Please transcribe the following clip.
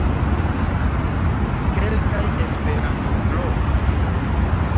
Kelkaj Esperanto-blogoj.